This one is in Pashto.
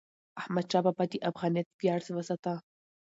احمدشاه بابا د افغانیت ویاړ وساته.